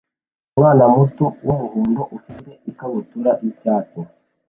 Umwana muto wumuhondo ufite ikabutura yicyatsi